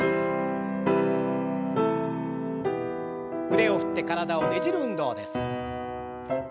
腕を振って体をねじる運動です。